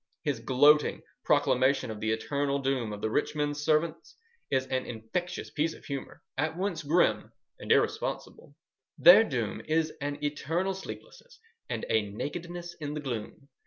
His gloating proclamation of the eternal doom of the rich men's servants is an infectious piece of humour, at once grim and irresponsible:— Their doom is an eternal sleeplessness and a nakedness in the gloom....